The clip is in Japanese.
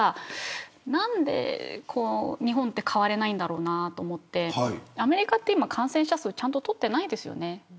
何で日本って変われないんだろうなと思ってアメリカは今、感染者数ちゃんと取ってないですよね。